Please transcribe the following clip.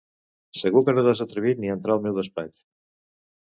Segur que no t'has atrevit ni a entrar al meu despatx!